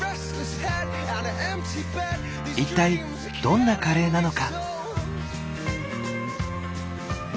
一体どんなカレーなのか？